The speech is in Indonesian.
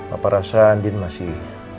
apa rasa andien masih